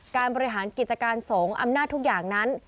บริหารกิจการสงฆ์อำนาจทุกอย่างนั้น